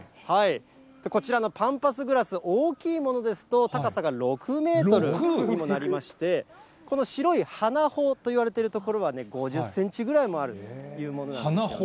こちらのパンパスグラス、大きいものですと、高さが６メートルにもなりまして、この白い花穂といわれている所は、５０センチぐらいもあるというものなんですね。